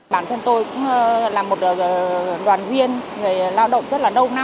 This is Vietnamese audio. bản thân tôi cũng là một đoàn viên người lao động rất là lâu năm